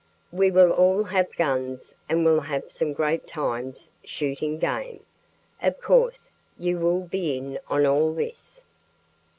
We will all have guns and will have some great times shooting game. Of course, you will be in on all this."